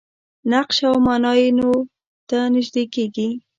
نقش او معنا یې نو ته نژدې کېږي.